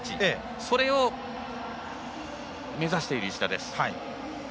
それを目指している石田。